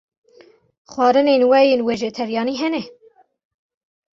Xwarinên we yên vejeteryanî hene?